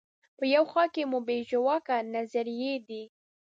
په یوه خوا کې مو بې ژواکه نظریې دي.